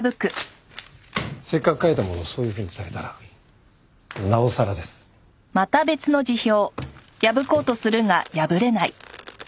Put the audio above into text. せっかく書いたものをそういうふうにされたらなおさらです。